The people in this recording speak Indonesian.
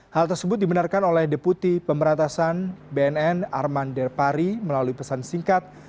hal tersebut dibenarkan oleh deputi pemeratasan bnn arman derpari melalui pesan singkat